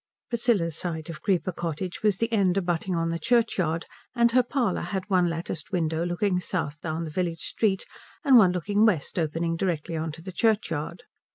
Priscilla's side of Creeper Cottage was the end abutting on the churchyard, and her parlour had one latticed window looking south down the village street, and one looking west opening directly on to the churchyard.